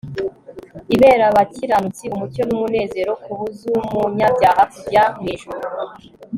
iberabakiranutsi umucyo numunezero Kubuzumunyabyaha kujya mw ijuru